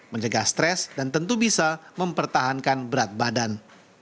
menjaga stres dan tentu bisa mempertahankan berat badan